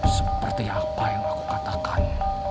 seperti apa yang aku katakan